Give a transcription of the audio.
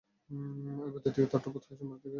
ওই বৈদ্যুতিক তারটা বোধহয় চেম্বার তিনের দিকে গেছে।